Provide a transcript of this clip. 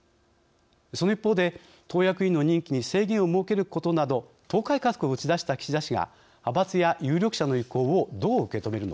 その一方で党役員の任期に制限を設けることなど党改革を打ち出した岸田氏が派閥や有力者の意向をどう受け止めるのか。